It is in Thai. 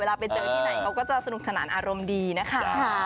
เวลาไปเจอที่ไหนเขาก็จะสนุกสนานอารมณ์ดีนะคะ